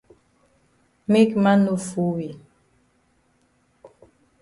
Make man no fool we.